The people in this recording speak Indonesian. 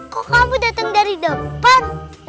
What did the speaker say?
kok kamu datang dari depan